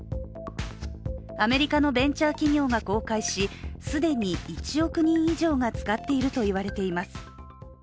アメリカのベンチャー企業が公開し既に１億人以上が使っているといわれています。